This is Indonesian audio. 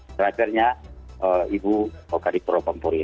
terakhirnya ibu kadipro pampuri